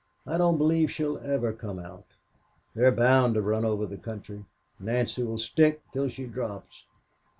I don't believe she'll ever come out. They're bound to run over the country. Nancy will stick till she drops.